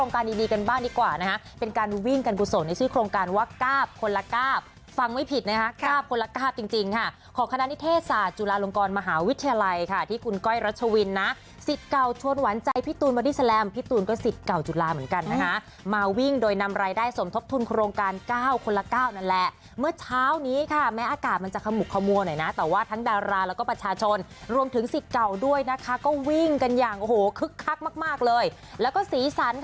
การดีกันบ้างดีกว่านะฮะเป็นการวิ่งกันกุศลในชื่อโครงการว่าก้าวคนละก้าวฟังไม่ผิดนะฮะก้าวคนละก้าวจริงค่ะของคณะนิเทศศาสตร์จุฬาลงกรมหาวิทยาลัยค่ะที่คุณก้อยรัชวินนะสิทธิ์เก่าชวนหวานใจพี่ตูนมาดิสแลมพี่ตูนก็สิทธิ์เก่าจุฬาเหมือนกันนะฮะมาวิ่งโดยน